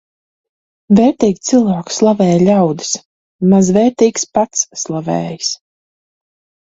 Vērtīgu cilvēku slavē ļaudis, mazvērtīgs pats slavējas.